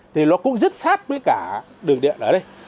thì nó cũng rất sát với cả đường điện ở đây